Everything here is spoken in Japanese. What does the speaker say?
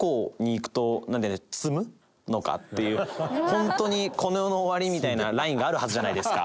ホントにこの世の終わりみたいなラインがあるはずじゃないですか。